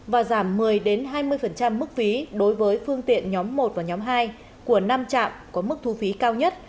và giảm một mươi hai mươi mức phí đối với phương tiện nhóm một và nhóm hai của năm trạm có mức thu phí cao nhất